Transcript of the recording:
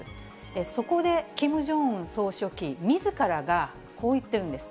そこでキム・ジョンウン総書記みずからがこう言ってるんです。